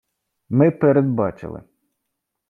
ми передбачили.